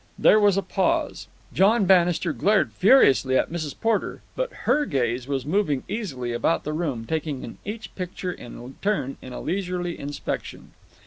There was a pause. John Bannister glared furiously at Mrs. Porter, but her gaze was moving easily about the room, taking in each picture in turn in a leisurely inspection.